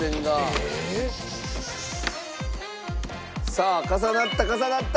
さあ重なった重なった！